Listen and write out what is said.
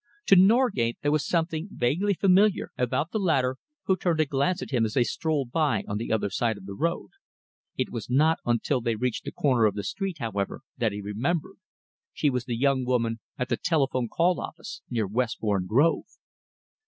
To Norgate there was something vaguely familiar about the latter, who turned to glance at him as they strolled by on the other side of the road. It was not until they reached the corner of the street, however, that he remembered. She was the young woman at the telephone call office near Westbourne Grove!